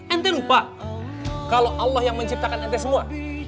ente lupa kalau allah yang menciptakan ente semua